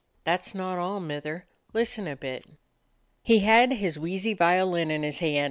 "That is not all, Mither. Listen a bit." He had his wheezy violin in his hand.